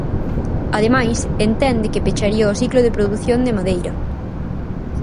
Ademais, entende que pecharía o ciclo de produción de madeira.